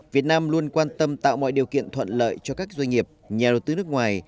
việt nam luôn quan tâm tạo mọi điều kiện thuận lợi cho các doanh nghiệp nhà đầu tư nước ngoài